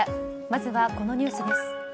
まずはこのニュースです。